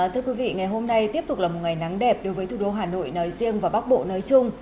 thưa quý vị ngày hôm nay tiếp tục là một ngày nắng đẹp đối với thủ đô hà nội nói riêng và bắc bộ nói chung